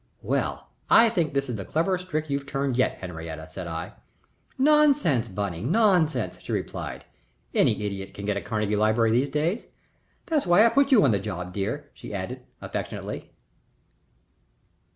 "Well, I think this is the cleverest trick you've turned yet, Henriette," said I. "Nonsense, Bunny, nonsense," she replied. "Any idiot can get a Carnegie library these days. That's why I put you on the job, dear," she added, affectionately.